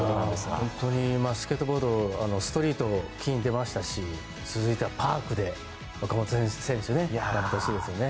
本当にスケートボードストリートで金が出ましたし続いては、パークで岡本選手にやってほしいですよね。